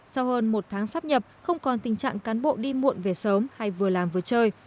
sau hơn một tháng sắp nhập không còn tình trạng cán bộ đi muộn về sớm hay vừa làm vừa chơi